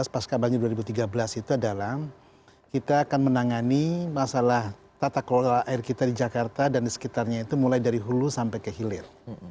pas kabarnya dua ribu tiga belas itu adalah kita akan menangani masalah tata kelola air kita di jakarta dan di sekitarnya itu mulai dari hulu sampai ke hilir